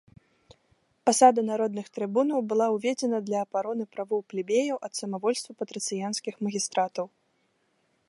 Пасада народных трыбунаў была ўведзена для абароны правоў плебеяў ад самавольства патрыцыянскіх магістратаў.